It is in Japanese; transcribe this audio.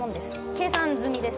計算済みです。